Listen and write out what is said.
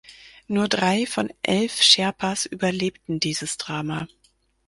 Nur drei von elf Sherpas überlebten dieses Drama.